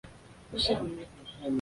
O segundo.